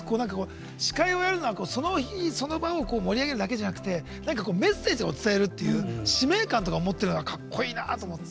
司会をやるのはその日、その場を盛り上げるだけじゃなくてメッセージを伝えるという使命感とかを持ってるのが格好いいなと思って。